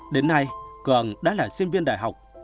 đến nay cường đã là sinh viên đại học